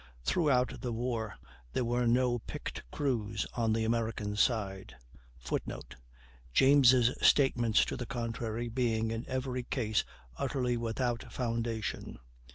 Throughout the war there were no "picked crews" on the American side, [Footnote: James' statements to the contrary being in every case utterly without foundation.